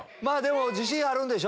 自信あるんでしょ？